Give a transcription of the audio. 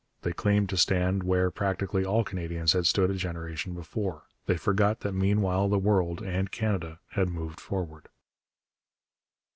They claimed to stand where practically all Canadians had stood a generation before. They forgot that meanwhile the world, and Canada, had moved forward.